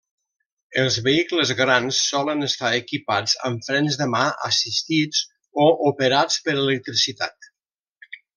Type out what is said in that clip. Els vehicles grans solen estar equipats amb frens de mà assistits o operats per electricitat.